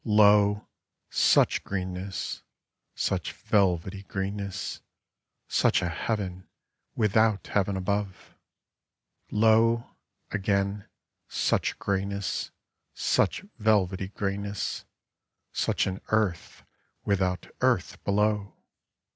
Lo, such greenness, such velvety greenness, such a heaven without heaven above ! I^, again, such grayness, such velvety grayness, such an earth without earth below